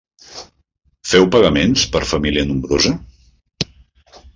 Feu pagaments per família nombrosa?